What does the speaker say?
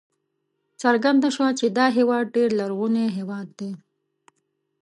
څرګنده شوه چې دا هېواد ډېر لرغونی هېواد دی.